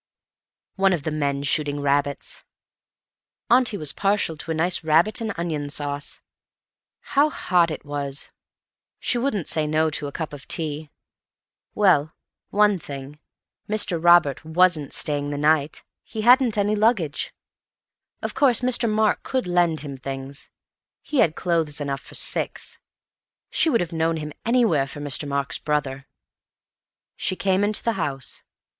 One of the men shooting rabbits. Auntie was partial to a nice rabbit, and onion sauce. How hot it was; she wouldn't say no to a cup of tea. Well, one thing, Mr. Robert wasn't staying the night; he hadn't any luggage. Of course Mr. Mark could lend him things; he had clothes enough for six. She would have known him anywhere for Mr. Mark's brother. She came into the house.